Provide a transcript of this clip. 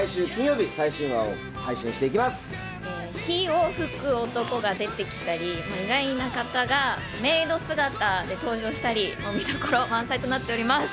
火を噴く男が出てきたり、意外な方がメイド姿で登場したり、見どころ満載となっております。